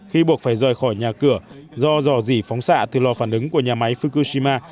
khi buộc phải rời khỏi nhà cửa do dò dỉ phóng xạ từ lò phản ứng của nhà máy fukushima